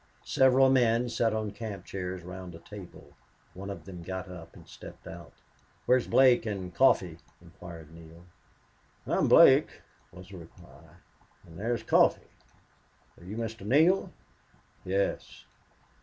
Several men sat on camp chairs round a table. One of them got up and stepped out. "Where's Blake and Coffee?" inquired Neale. "I'm Blake," was the reply, "and there's Coffee. Are you Mr. Neale?" "Yes."